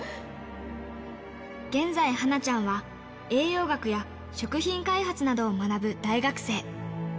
現在、はなちゃんは栄養学や食品開発などを学ぶ大学生。